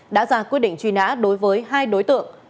đã ra quyết định truy nã đối với hai đối tượng